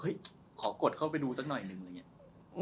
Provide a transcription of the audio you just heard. เฮ้ยขอกดเข้าไปดูซักหน่อยหนึ่ง